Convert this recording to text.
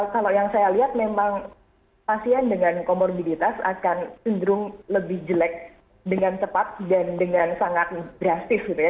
kalau yang saya lihat memang pasien dengan komorbiditas akan cenderung lebih jelek dengan cepat dan dengan sangat drastis gitu ya